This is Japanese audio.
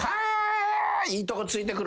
いいとこ突いてくるなぁ。